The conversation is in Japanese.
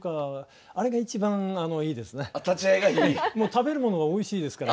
食べるものがおいしいですから。